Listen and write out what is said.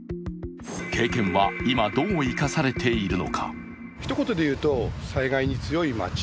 経験は今、どう生かされているのか。